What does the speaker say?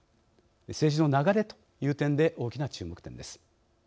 政治の流れという点で大きな注目点です。